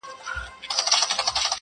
غوږ سه ورته~